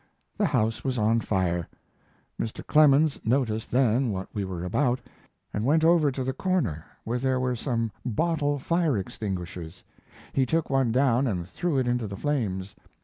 The house was on fire. Mr. Clemens noticed then what we were about, and went over to the corner where there were some bottle fire extinguishers. He took one down and threw it into the flames.